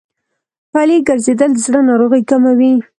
پلي ګرځېدل د زړه ناروغۍ کموي.